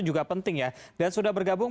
juga penting ya dan sudah bergabung